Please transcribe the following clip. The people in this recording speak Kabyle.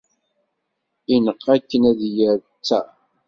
Ineqq akken ad d-yerr ttaṛ.